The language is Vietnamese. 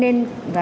nên xịt khử khuẩn